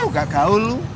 gak gaul lo